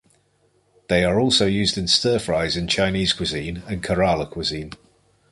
They are also used in stir-fries in Chinese cuisine and Kerala cuisine.